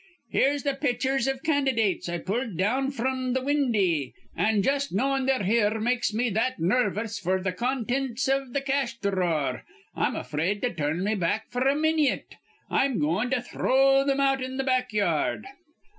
"Here's th' pitchers iv candydates I pulled down fr'm th' windy, an' jus' knowin' they're here makes me that nervous f'r th' contints iv th' cash dhrawer I'm afraid to tur rn me back f'r a minyit. I'm goin' to throw thim out in th' back yard.